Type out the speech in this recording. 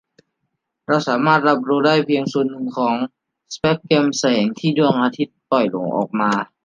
เราสามารถรับรู้ได้เพียงส่วนหนึ่งของสเปกตรัมแสงที่ดวงอาทิตย์ปล่อยออกมา